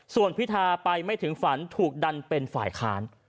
ส่วนพิธาไปไม่ถึงฝันถูกดันเป็นฝ่ายค้าน